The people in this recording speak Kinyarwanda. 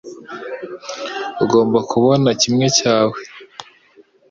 Uzagomba kubona kimwe cyawe